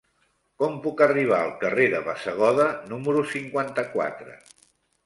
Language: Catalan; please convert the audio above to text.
Com puc arribar al carrer de Bassegoda número cinquanta-quatre?